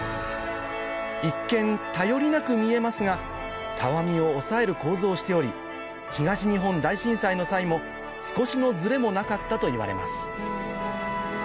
一見頼りなく見えますがたわみを抑える構造をしており東日本大震災の際も少しのズレもなかったといわれます